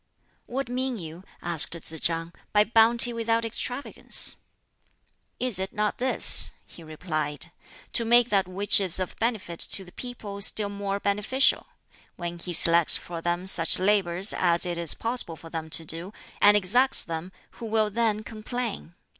"What mean you," asked Tsz chang, "by bounty without extravagance?" "Is it not this," he replied "to make that which is of benefit to the people still more beneficial? When he selects for them such labors as it is possible for them to do, and exacts them, who will then complain?